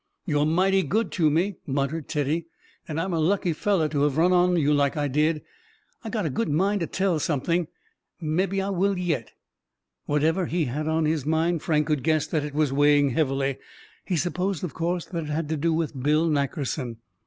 "You're mighty good to me," muttered Teddy, "and I'm a lucky feller to have run on you like I did. I got a good mind to tell something—mebbe I will yet." Whatever he had on his mind, Frank could guess that it was weighing heavily. He supposed, of course, that it had to do with Bill Nackerson.